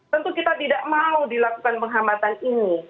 tentu kita tidak mau dilakukan penghambatan ini